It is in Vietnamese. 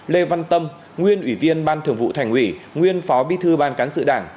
lê văn tâm nguyên ủy viên ban thường vụ thành ủy nguyên phó bí thư ban cán sự đảng